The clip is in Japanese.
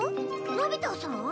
のび太さん？